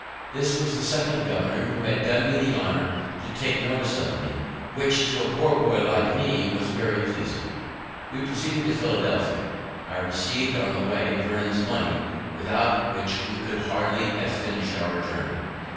This was the second governor who had done me the honour to take notice of me; which, to a poor boy like me, was very pleasing. We proceeded to Philadelphia. I received on the way Vernon's money, without which we could hardly have finish'd our journey.